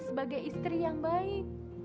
sebagai istri yang baik